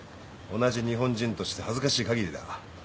同じ日本人として恥ずかしいかぎりだ。